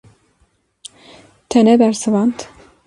Te nebersivand.